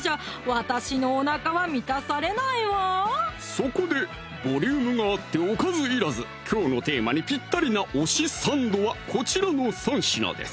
そこでボリュームがあっておかずいらずきょうのテーマにぴったりな推しサンドはこちらの３品です